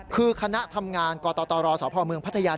คือคณะทำงานกตรสพเมืองพัทยา